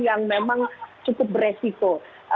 yang memang cukup beresiko